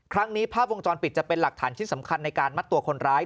ภาพวงจรปิดจะเป็นหลักฐานชิ้นสำคัญในการมัดตัวคนร้าย